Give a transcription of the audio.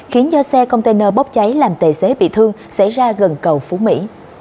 khiến do xe container bóp cháy làm tệ xế bị thương xảy ra gần cầu phú mỹ